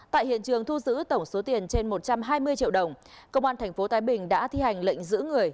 tại hiện trường thu giữ tổng số tiền trên một trăm hai mươi triệu đồng công an tp thái bình đã thi hành lệnh giữ người